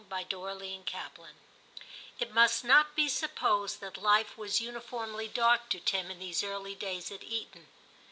— lonica^ JL It must not be supposed that life was uniformly dark to Tim in these early days at Eton.